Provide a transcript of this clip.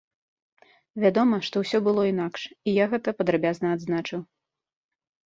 Вядома, што ўсё было інакш, і я гэта падрабязна адзначыў.